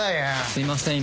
すいません